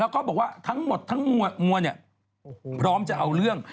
แล้วก็บอกว่าทั้งหมดทั้งมวลพร้อมจะเอาเรื่อง